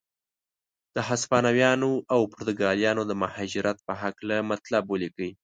د هسپانویانو او پرتګالیانو د مهاجرت په هکله مطلب ولیکئ.